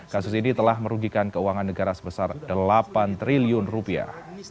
kasus ini telah merugikan keuangan negara sebesar delapan triliun rupiah